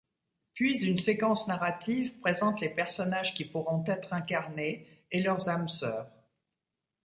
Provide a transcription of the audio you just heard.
Puis une séquence narrative présente les personnages qui pourront être incarnés et leurs âmes-sœurs.